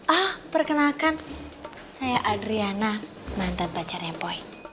ah perkenalkan saya adriana mantan pacarnya poi